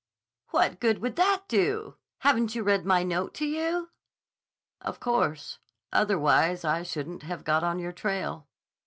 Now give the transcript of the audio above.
"What good would that do? Haven't you read my note to you?" "Of course. Otherwise I shouldn't have got on your trail."